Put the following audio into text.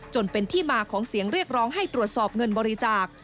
จนเป็นที่มาของเสียงเรียกร้องให้ตรวจสอบเงินบริจาค